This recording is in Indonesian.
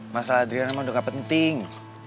masalah adriana emang udah gak penting